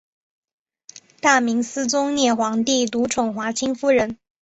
大明思宗烈皇帝独宠华清夫人。